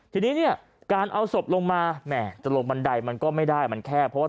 ทีนี้เนี่ยการเอาศพลงมาแหมจะลงบันไดมันก็ไม่ได้มันแคบเพราะว่า